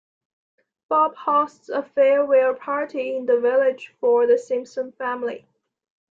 Bob hosts a farewell party in the village for the Simpson family.